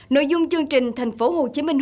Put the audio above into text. nội dung chương trình thành phố hồ chí minh